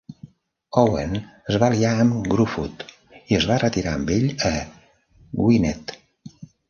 Owain es va aliar amb Gruffudd i es va retirar amb ell a Gwynedd.